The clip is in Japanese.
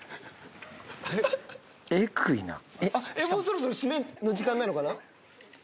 もうそろそろ締めの時間なのかな？